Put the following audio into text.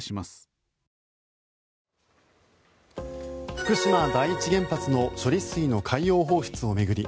福島第一原発の処理水の海洋放出を巡り